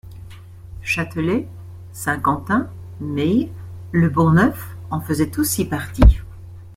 Châtelais, Saint-Quentin, Mée, le Bourgneuf, en faisait aussi partie.